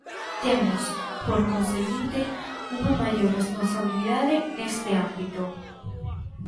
Temos, por conseguinte, unha maior responsabilidade neste ámbito.